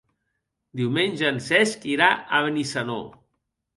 Diumenge en Cesc irà a Benissanó.